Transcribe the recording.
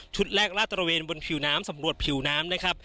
ชุดแรกราตระเวนบนผิวน้ำสำรวจผิวน้ำ